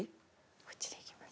こっちでいきます？